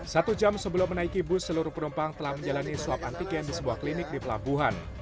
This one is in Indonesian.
satu jam sebelum menaiki bus seluruh penumpang telah menjalani swab antigen di sebuah klinik di pelabuhan